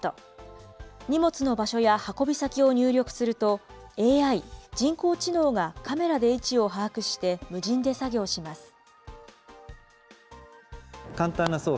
荷物の場所や運び先を入力すると、ＡＩ・人工知能がカメラで位置を把握して、無人で作業します。